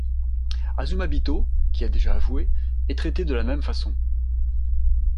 Azumabito, qui a déjà avoué, est traité de la même façon.